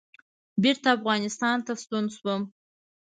بېرته افغانستان ته ستون شوم.